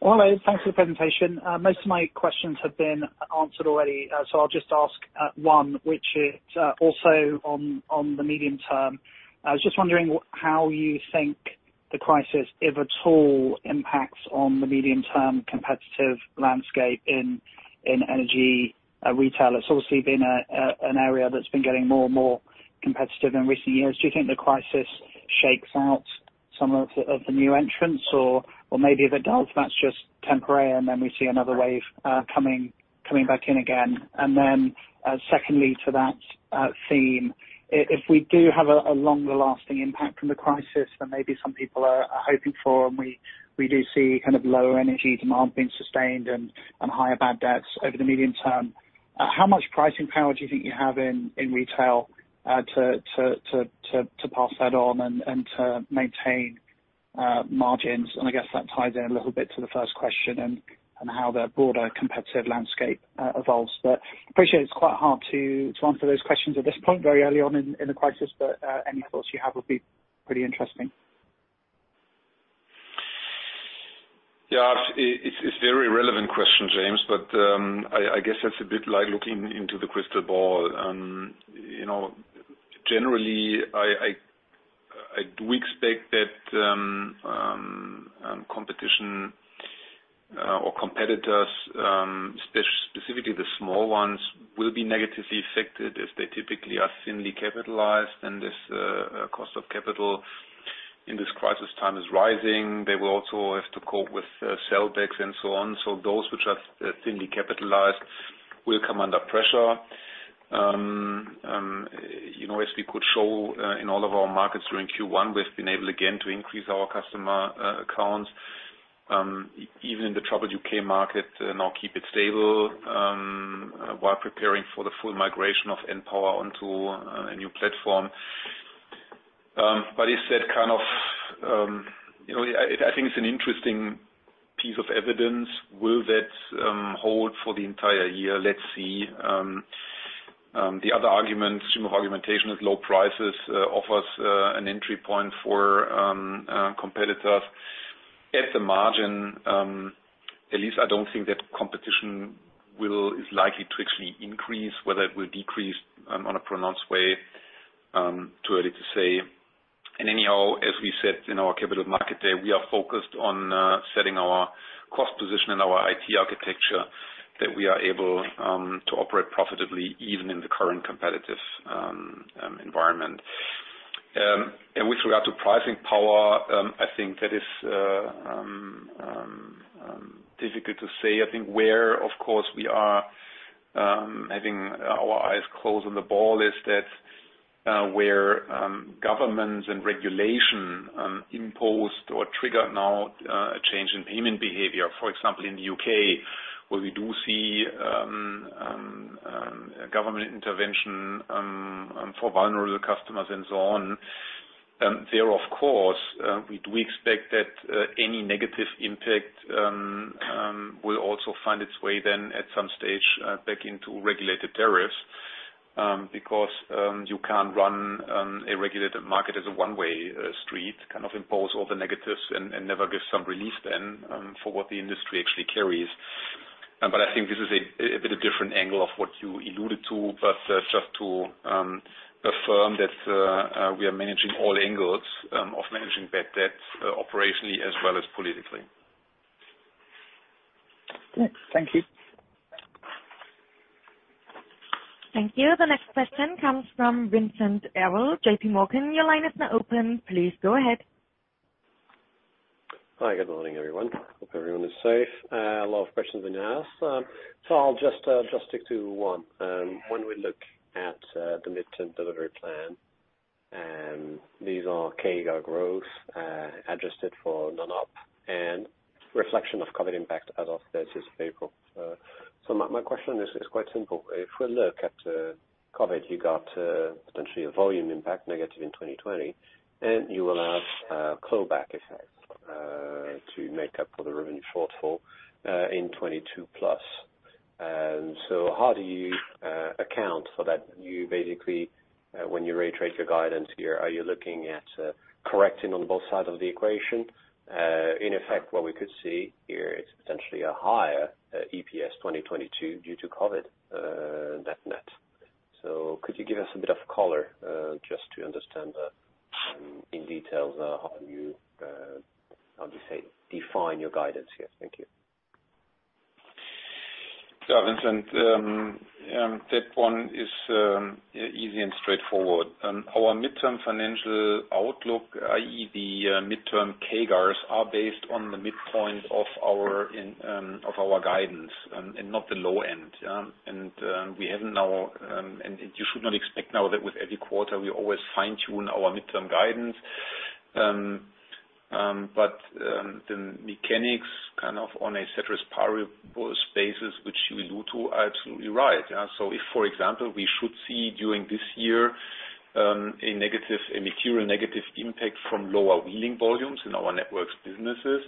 Hello. Thanks for the presentation. Most of my questions have been answered already, so I'll just ask one, which is also on the medium term. I was just wondering how you think the crisis, if at all, impacts on the medium-term competitive landscape in energy retail. It's obviously been an area that's been getting more and more competitive in recent years. Do you think the crisis shakes out some of the new entrants? Or maybe if it does, that's just temporary, and then we see another wave coming back in again. Secondly to that theme, if we do have a longer-lasting impact from the crisis than maybe some people are hoping for, and we do see lower energy demand being sustained and higher bad debts over the medium term, how much pricing power do you think you have in retail to pass that on and to maintain margins. I guess that ties in a little bit to the first question and how the broader competitive landscape evolves. Appreciate it's quite hard to answer those questions at this point very early on in the crisis, but any thoughts you have would be pretty interesting. Yeah. It's a very relevant question, James, I guess that's a bit like looking into the crystal ball. Generally, I do expect that competition or competitors, specifically the small ones, will be negatively affected as they typically are thinly capitalized, and this cost of capital in this crisis time is rising. They will also have to cope with sellbacks and so on. Those which are thinly capitalized will come under pressure. As we could show in all of our markets during Q1, we've been able again to increase our customer accounts, even in the troubled U.K. market, now keep it stable, while preparing for the full migration of Npower onto a new platform. I think it's an interesting piece of evidence. Will that hold for the entire year? Let's see. The other argument, stream of argumentation is low prices offers an entry point for competitors. At the margin, at least I don't think that competition is likely to actually increase. Whether it will decrease on a pronounced way, too early to say. Anyhow, as we said in our Capital Markets Day, we are focused on setting our cost position and our IT architecture that we are able to operate profitably even in the current competitive environment. With regard to pricing power, I think that is difficult to say. I think where, of course, we are having our eyes closed on the ball is that where governments and regulation imposed or triggered now a change in payment behavior. For example, in the U.K., where we do see government intervention for vulnerable customers and so on. There, of course, we do expect that any negative impact will also find its way then at some stage back into regulated tariffs, because you can't run a regulated market as a one-way street, kind of impose all the negatives and never give some release then for what the industry actually carries. I think this is a bit of different angle of what you alluded to, but just to affirm that we are managing all angles of managing bad debt operationally as well as politically. Thanks. Thank you. Thank you. The next question comes from Vincent Carroll, JP Morgan. Your line is now open. Please go ahead. Hi, good morning, everyone. Hope everyone is safe. A lot of questions been asked. I'll just stick to one. When we look at the midterm delivery plan, these are CAGR growth, adjusted for non-op and reflection of COVID impact as of 30th of April. My question is quite simple. If we look at COVID, you got potentially a volume impact negative in 2020, and you will have clawback effects to make up for the revenue shortfall in 2022 plus. How do you account for that? You basically, when you reiterate your guidance here, are you looking at correcting on both sides of the equation? In effect, what we could see here, it's potentially a higher EPS 2022 due to COVID net net. Could you give us a bit of color, just to understand that in details, how do you say, define your guidance here? Thank you. Yeah, Vincent. That one is easy and straightforward. Our midterm financial outlook, i.e., the midterm CAGRs, are based on the midpoint of our guidance and not the low end. You should not expect now that with every quarter, we always fine-tune our midterm guidance. The mechanics on a ceteris paribus basis, which you allude to, are absolutely right. If, for example, we should see during this year a material negative impact from lower wheeling volumes in our networks businesses,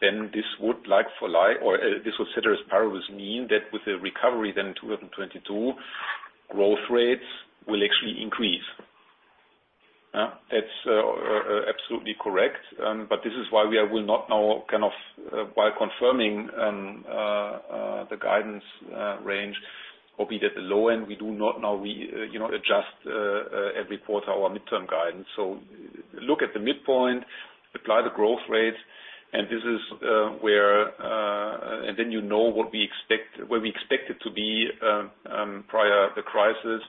then this would like for like or this would ceteris paribus mean that with a recovery then in 2022, growth rates will actually increase. That's absolutely correct. This is why we will not now by confirming the guidance range, albeit at the low end, we do not now adjust every quarter our midterm guidance. Look at the midpoint, apply the growth rate, and then you know where we expect it to be prior the crisis.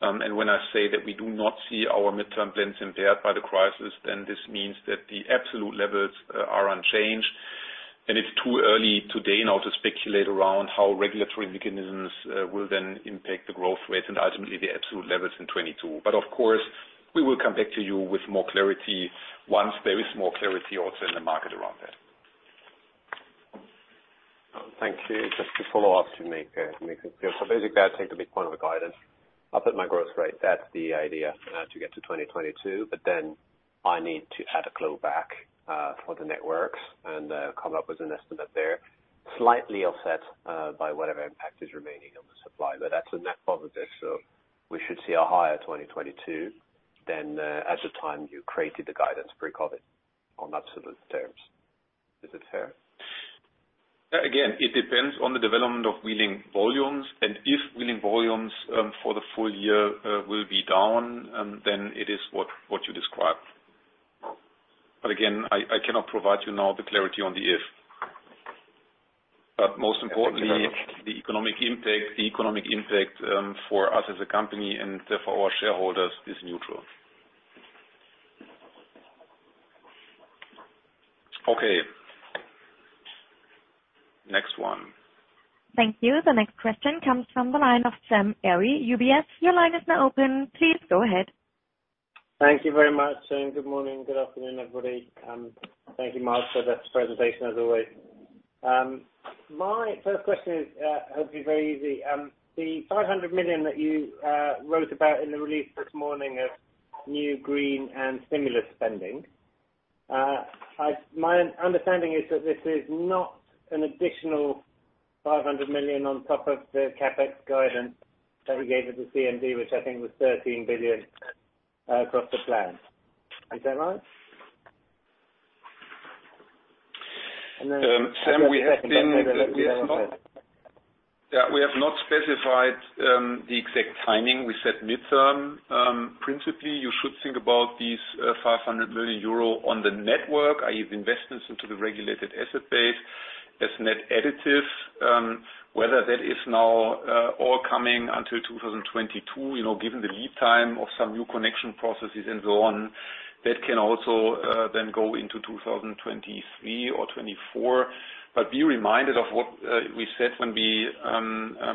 When I say that we do not see our midterm plans impaired by the crisis, then this means that the absolute levels are unchanged. It's too early today now to speculate around how regulatory mechanisms will then impact the growth rates and ultimately the absolute levels in 2022. Of course, we will come back to you with more clarity once there is more clarity on. To make it clear. Basically, I take the big point of the guidance. I'll put my growth rate, that's the idea to get to 2022, but then I need to add a clawback for the networks and come up with an estimate there. Slightly offset by whatever impact is remaining on the supply. That's a net positive, so we should see a higher 2022 than at the time you created the guidance pre-COVID-19 on absolute terms. Is it fair? It depends on the development of wheeling volumes, and if wheeling volumes for the full year will be down, then it is what you described. Again, I cannot provide you now the clarity on the if. Most importantly, the economic impact for us as a company and for our shareholders is neutral. Okay. Next one. Thank you. The next question comes from the line of Sam Arie, UBS. Your line is now open. Please go ahead. Thank you very much. Good morning. Good afternoon, everybody. Thank you, Marc, for the presentation as always. My first question is hopefully very easy. The 500 million that you wrote about in the release this morning of new green and stimulus spending. My understanding is that this is not an additional 500 million on top of the CapEx guidance that we gave at the CMD, which I think was 13 billion across the plan. Is that right? Sam, Yeah, we have not specified the exact timing. We said midterm. Principally, you should think about these 500 million euro on the network, i.e., investments into the regulated asset base as net additives. Whether that is now all coming until 2022, given the lead time of some new connection processes and so on, that can also then go into 2023 or 2024. Be reminded of what we said when we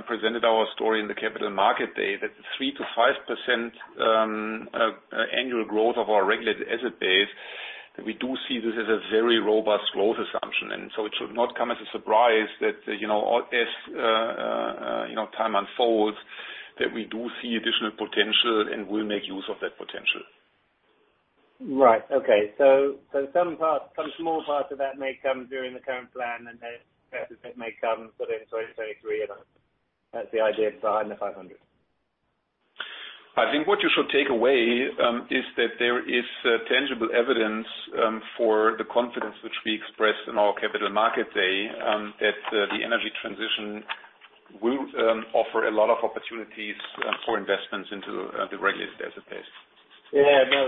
presented our story in the Capital Markets Day, that the 3%-5% annual growth of our regulated asset base, we do see this as a very robust growth assumption. It should not come as a surprise that as time unfolds, that we do see additional potential and will make use of that potential. Right. Okay. Some small parts of that may come during the current plan, and the rest of it may come sort of in 2023. That's the idea behind the 500. I think what you should take away is that there is tangible evidence for the confidence which we expressed in our Capital Markets Day, that the energy transition will offer a lot of opportunities for investments into the regulated asset base. Yeah. No,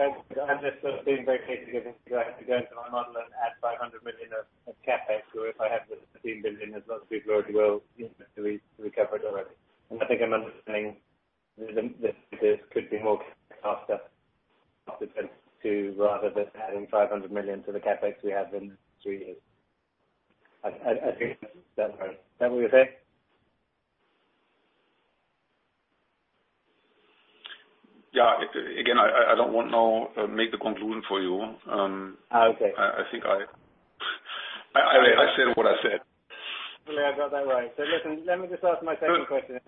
I'm just being very clear because I have to go into my model and add 500 million of CapEx, where if I have the 13 billion as mostly growth to recover it already. I think I'm understanding that this could be more cost efficient too, rather than adding 500 million to the CapEx we have in three years. I think that's right. Is that what you're saying? Yeah. Again, I don't want now make the conclusion for you. Oh, okay. I think I said what I said. Hopefully, I got that right. Listen, let me just ask my second question.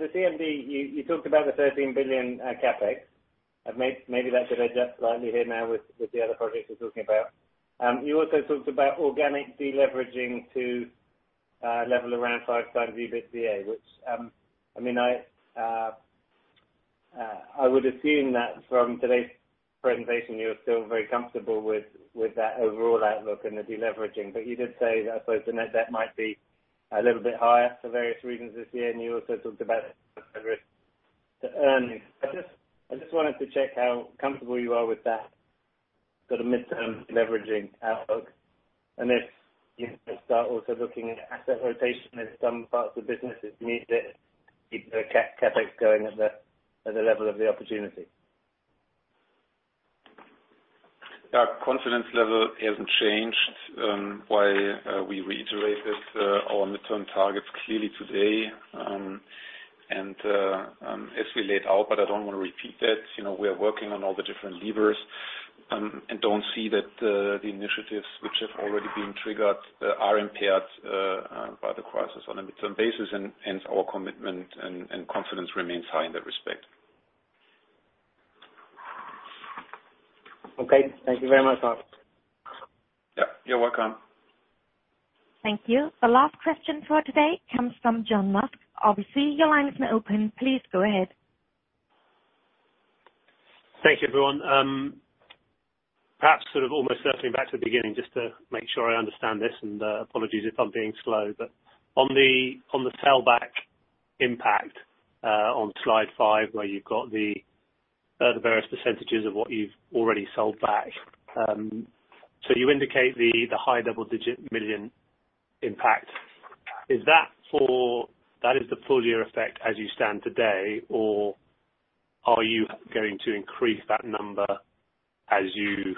The CMD, you talked about the 13 billion CapEx. Maybe that should adjust slightly here now with the other projects you're talking about. You also talked about organic deleveraging to a level around five times EBITDA, which I would assume that from today's presentation, you're still very comfortable with that overall outlook and the deleveraging. You did say that supposed the net debt might be a little bit higher for various reasons this year, and you also talked about the risk to earnings. I just wanted to check how comfortable you are with that sort of midterm leveraging outlook, and if you start also looking at asset rotation in some parts of the business if needs it, keep the CapEx going at the level of the opportunity. Our confidence level hasn't changed. Why we reiterated our midterm targets clearly today. As we laid out, but I don't want to repeat that. We are working on all the different levers and don't see that the initiatives which have already been triggered are impaired by the crisis on a midterm basis, and hence our commitment and confidence remains high in that respect. Okay. Thank you very much, Marc. Yeah. You're welcome. Thank you. The last question for today comes from John Musk, RBC. Your line is now open. Please go ahead. Thank you, everyone. Perhaps sort of almost circling back to the beginning just to make sure I understand this, and apologies if I'm being slow. On the sellback impact on slide five, where you've got the various percentages of what you've already sold back. You indicate the high double-digit million impact. Is that the full year effect as you stand today, or are you going to increase that number as you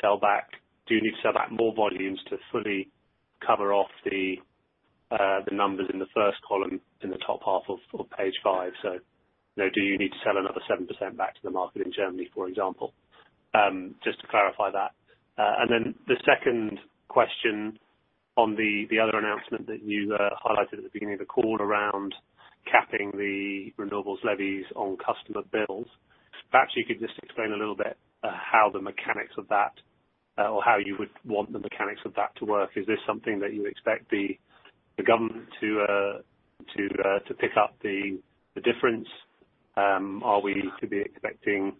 sell back? Do you need to sell back more volumes to fully cover off the numbers in the first column in the top half of page five. Do you need to sell back another 7% back to the market in Germany, for example? Just to clarify that. The second question on the other announcement that you highlighted at the beginning of the call around capping the renewables levies on customer bills. Perhaps you could just explain a little bit how the mechanics of that, or how you would want the mechanics of that to work. Is this something that you expect the government to pick up the difference? Are we to be expecting,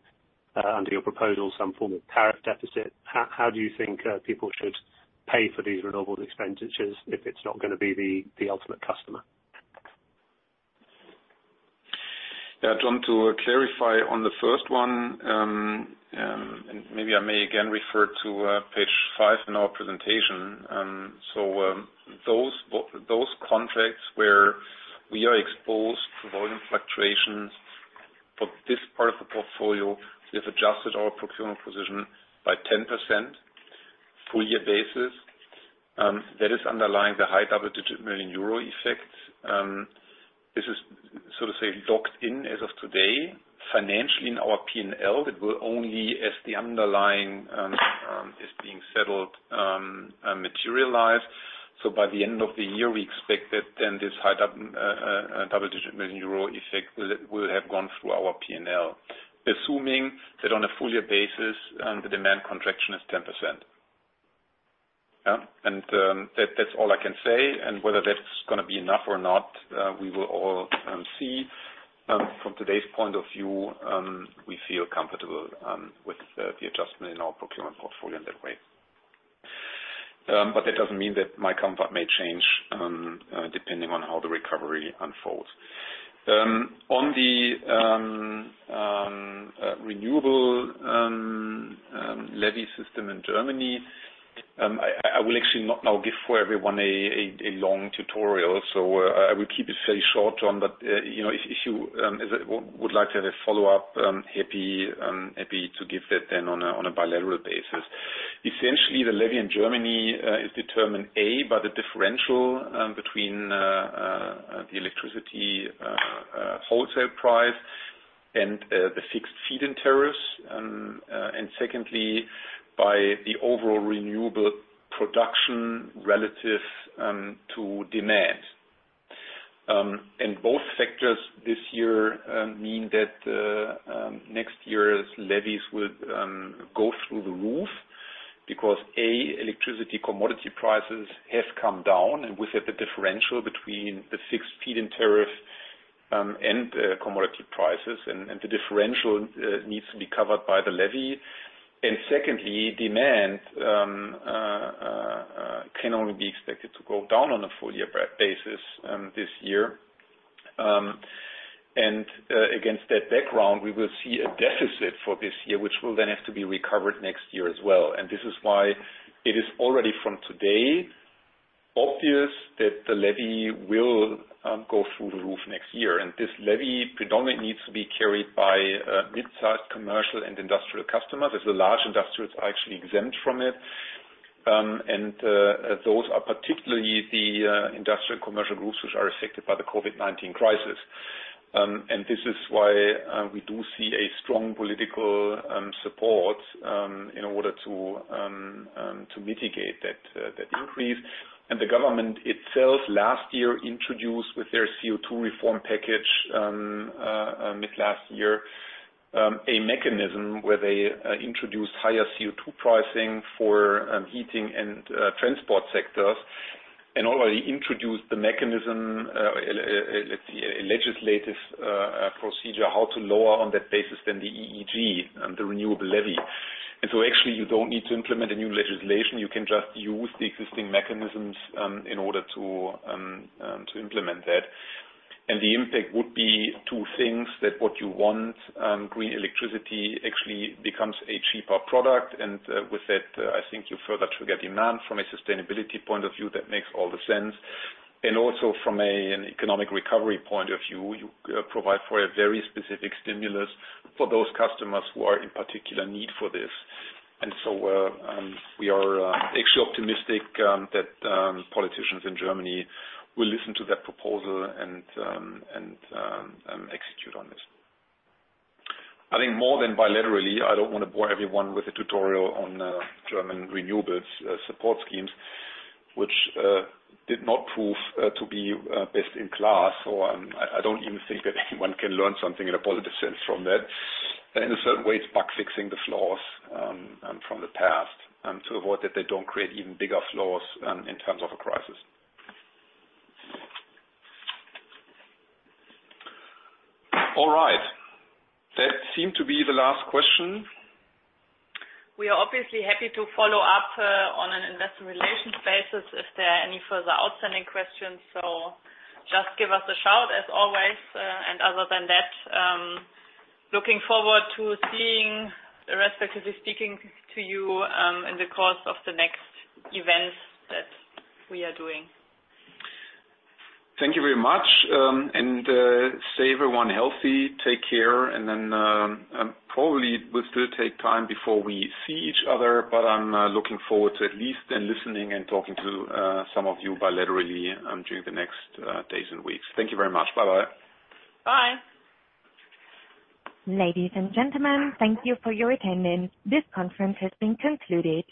under your proposal, some form of tariff deficit? How do you think people should pay for these renewable expenditures if it's not going to be the ultimate customer? John, to clarify on the first one, maybe I may again refer to page five in our presentation. Those contracts where we are exposed to volume fluctuations for this part of the portfolio, we have adjusted our procurement position by 10% full year basis. That is underlying the high double-digit million EUR effect. This is sort of, say, docked in as of today, financially in our P&L, that will only, as the underlying is being settled, materialize. By the end of the year, we expect that then this high double-digit million EUR effect will have gone through our P&L. Assuming that on a full year basis, the demand contraction is 10%. That's all I can say, and whether that's going to be enough or not, we will all see. From today's point of view, we feel comfortable with the adjustment in our procurement portfolio in that way. That doesn't mean that my comfort may change depending on how the recovery unfolds. On the renewables levy system in Germany, I will actually not now give everyone a long tutorial. I will keep it very short, John, but if you would like to have a follow-up, happy to give that then on a bilateral basis. Essentially, the levy in Germany is determined, A, by the differential between the electricity wholesale price and the fixed feed-in tariffs. Secondly, by the overall renewable production relative to demand. Both factors this year mean that next year's levies will go through the roof because, A, electricity commodity prices have come down, and with it, the differential between the fixed feed-in tariff and commodity prices, and the differential needs to be covered by the levy. Secondly, demand can only be expected to go down on a full year basis this year. Against that background, we will see a deficit for this year, which will then have to be recovered next year as well. This is why it is already from today obvious that the levy will go through the roof next year. This levy predominantly needs to be carried by midsize commercial and industrial customers, as the large industrials are actually exempt from it. Those are particularly the industrial commercial groups which are affected by the COVID-19 crisis. This is why we do see a strong political support in order to mitigate that increase. The government itself last year introduced with their CO2 reform package, mid last year, a mechanism where they introduced higher CO2 pricing for heating and transport sectors, already introduced the mechanism, a legislative procedure, how to lower on that basis than the EEG and the renewables levy. Actually, you don't need to implement a new legislation. You can just use the existing mechanisms in order to implement that. The impact would be two things, that what you want, green electricity actually becomes a cheaper product. With that, I think you further trigger demand. From a sustainability point of view, that makes all the sense. From an economic recovery point of view, you provide for a very specific stimulus for those customers who are in particular need for this. We are actually optimistic that politicians in Germany will listen to that proposal and execute on this. I think more than bilaterally, I don't want to bore everyone with a tutorial on German renewables support schemes, which did not prove to be best in class, or I don't even think that anyone can learn something in a positive sense from that. In a certain way, it's back fixing the flaws from the past and to avoid that they don't create even bigger flaws in terms of a crisis. All right. That seemed to be the last question. We are obviously happy to follow up on an investor relations basis if there are any further outstanding questions. Just give us a shout as always. Other than that, looking forward to seeing or respectively speaking to you in the course of the next events that we are doing. Thank you very much. Stay everyone healthy. Take care. Probably it will still take time before we see each other, but I'm looking forward to at least listening and talking to some of you bilaterally during the next days and weeks. Thank you very much. Bye-bye. Bye. Ladies and gentlemen, thank you for your attendance. This conference has been concluded.